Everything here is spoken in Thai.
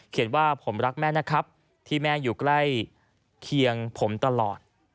ว่าผมรักแม่นะครับที่แม่อยู่ใกล้เคียงผมตลอด